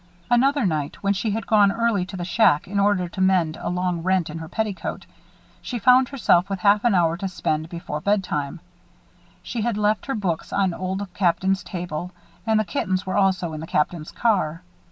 Another night, when she had gone early to the shack in order to mend a long rent in her petticoat, she found herself with half an hour to spare before bedtime. She had left her books on Old Captain's table and the kittens were also in the Captain's car.